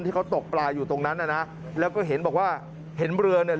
ที่เขาตกปลาอยู่ตรงนั้นน่ะนะแล้วก็เห็นบอกว่าเห็นเรือเนี่ย